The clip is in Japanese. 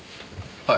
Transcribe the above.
はい。